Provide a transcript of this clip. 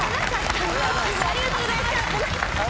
ありがとうございます。